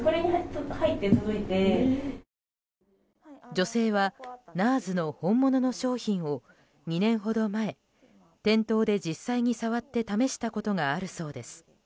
女性はＮＡＲＳの本物の商品を２年ほど前、店頭で実際に触って試したことがあるそうです。